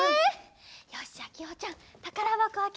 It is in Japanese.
よしじゃあきほちゃんたからばこあけて！